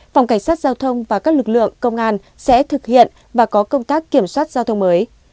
phòng cảnh sát giao thông và các lực lượng công an sẽ thực hiện và có công tác kiểm soát giao thông mới